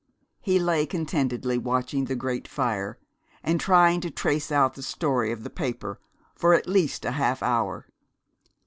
He lay contentedly, watching the grate fire, and trying to trace out the story of the paper, for at least a half hour.